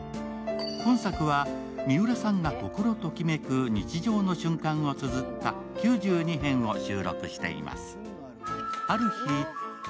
今作は三浦産が心ときめく日常の瞬間をつづった９２編を収録しています。